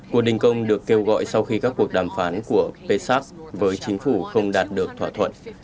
cuộc đình công được kêu gọi sau khi các cuộc đàm phán của psak với chính phủ không đạt được thỏa thuận